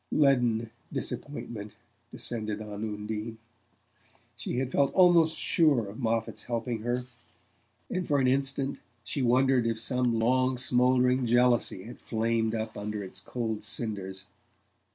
Leaden disappointment descended on Undine. She had felt almost sure of Moffatt's helping her, and for an instant she wondered if some long smouldering jealousy had flamed up under its cold cinders.